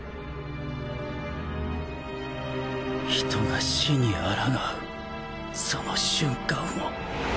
人が死にあらがうその瞬間を